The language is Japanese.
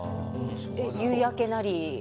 夕焼けなり。